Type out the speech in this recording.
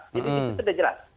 jadi itu sudah jelas